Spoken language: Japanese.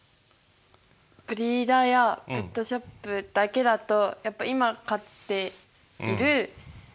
ブリーダーやペットショップだけだとやっぱ今飼っているその猫。